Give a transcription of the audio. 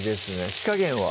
火加減は？